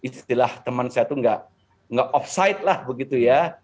bila teman saya itu nggak off site lah begitu ya